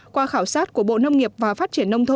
qua khảo sát của bộ nông nghiệp và phát triển nông thôn